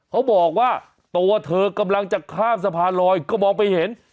เขาบอกว่าตัวเธอกำลังจะข้ามสะพานลอยก็มองไปเห็น